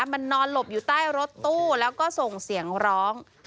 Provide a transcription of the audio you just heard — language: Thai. มันนอนหลบอยู่ใต้รถตู้แล้วก็ส่งเสียงร้อง